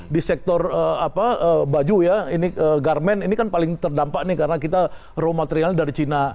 di sektor baju ya ini garmen ini kan paling terdampak nih karena kita raw materialnya dari cina